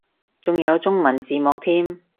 仲有中文字幕添